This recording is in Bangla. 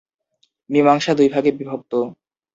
মীমাংসা দুইভাগে বিভক্ত।